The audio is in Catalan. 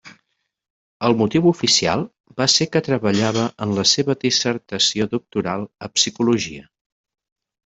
El motiu oficial va ser que treballava en la seva dissertació doctoral a psicologia.